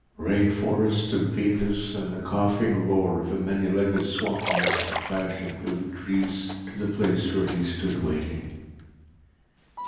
Rain forests of Venus and the coughing roar of a many legged swamp monster crashing through the trees to the place where he stood waiting.